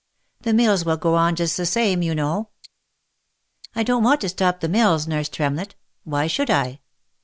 The mills would go on just the same you know." " I don't want to stop the mills, nurse Tremlett. Why should I?